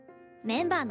メンバー。